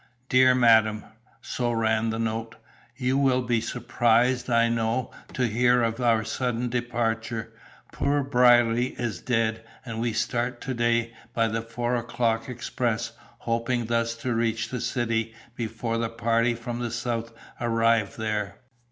"DEAR MADAM" so ran the note "You will be surprised, I know, to hear of our so sudden departure. Poor Brierly is dead, and we start to day by the four o'clock express, hoping thus to reach the city before the party from the south arrive there.